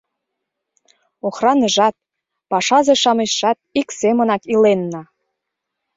Охраныжат, пашазе-шамычшат ик семынак иленна.